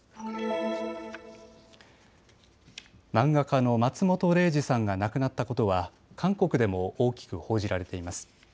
漫画家の松本零士さんが亡くなったことは韓国でも大きく報じられています。